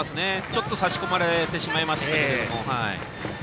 ちょっと差し込まれてしまいましたが。